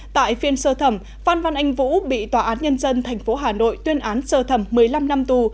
tại phiên sơ thẩm phan văn anh vũ bị tòa án nhân dân tp hà nội tuyên án sơ thẩm một mươi năm năm tù